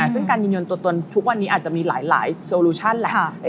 ซึ่งการยืนยันตัวตนทุกวันนี้อาจจะมีหลายโซลูชั่นแหละ